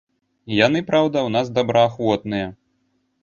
Яны, праўда, у нас добраахвотныя.